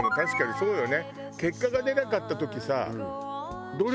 そうよね。